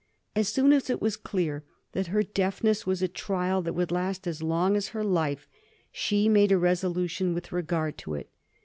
As soon as it was clear that her deafness was a trial that would last as long as her life, she made a resolution with regard to it.